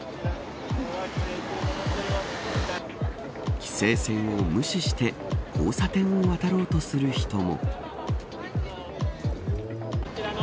規制線を無視して交差点を渡ろうとする人も。